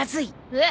えっ？